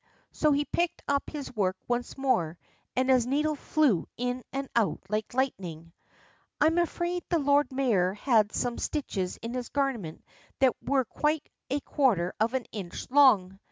So he picked up his work once more, and his needle flew in and out like lightning. I am afraid the Lord Mayor had some stitches in his garment that were quite a quarter of an inch long.